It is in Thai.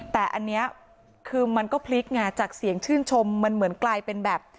แต่อันนี้คือมันก็พลิกไงจากเสียงชื่นชมมันเหมือนกลายเป็นแบบ